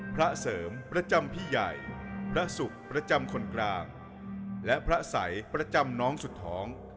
พระเสริมประจำพี่ใหญ่พระศุกร์ประจำคนกลางและพระสัยประจำน้องสุดท้อง